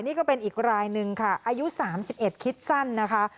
นี่ก็เป็นอีกรายหนึ่งค่ะอายุ๓๑คิดสั้นนะคะ